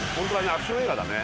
アクション映画だね。